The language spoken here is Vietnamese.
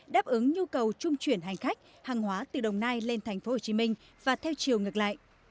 đáp ứng nhu cầu trung chuyển hành khách hàng hóa từ đồng nai lên tp hcm và theo chiều ngược lại